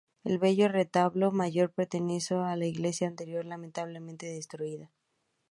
El bello retablo mayor perteneció a la iglesia anterior, lamentablemente destruida.